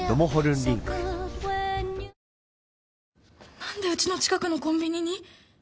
何でうちの近くのコンビニに！？